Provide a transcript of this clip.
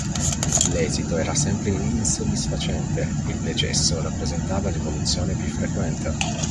L'esito era sempre insoddisfacente e il decesso rappresentava l'evoluzione più frequente.